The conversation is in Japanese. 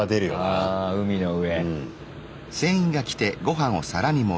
あ海の上。